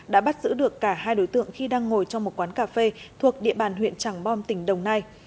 đã bắt giữ được cả hai đối tượng khi đang ngồi trong một quán cà phê thuộc địa bàn huyện tràng bom tỉnh đồng nai